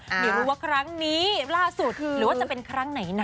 ไม่รู้ว่าครั้งนี้ล่าสุดหรือว่าจะเป็นครั้งไหนนะ